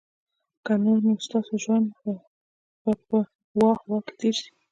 که نه نو ستاسو ټول ژوند به په "واه، واه" کي تیر سي